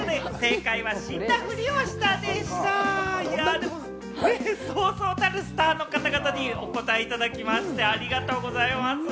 でも、そうそうたるスターの方々にお答えいただきまして、ありがとうございます。